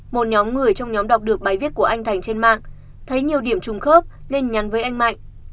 một nhóm người trong nhóm đọc được bài viết của anh thành trên mạng thấy nhiều điểm trùng khớp nên nhắn với anh mạnh